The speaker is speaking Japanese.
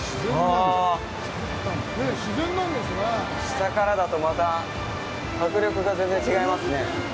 下からだと、また迫力が全然違いますね。